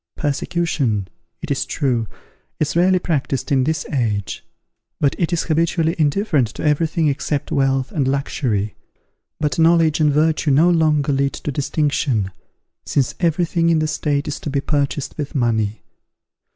Persecution, it is true, is rarely practised in this age, because it is habitually indifferent to every thing except wealth and luxury; but knowledge and virtue no longer lead to distinction, since every thing in the state is to be purchased with money.